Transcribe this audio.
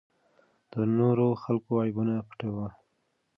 د نورو خلکو عیبونه پټوه.